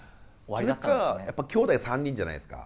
それかやっぱ兄弟３人じゃないですか。